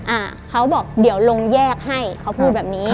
อ่าเขาบอกเดี๋ยวลงแยกให้เขาพูดแบบนี้